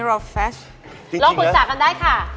ลองผุดสระกันได้ค่ะ